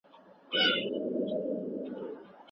په روښانولو کې.